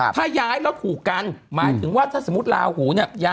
ถ้าย้ายแล้วถูกกันหมายถึงว่าถ้าสมมุติลาหูเนี่ย